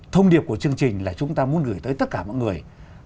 thông điệp của chương trình là chúng ta muốn gửi tới tất cả mọi người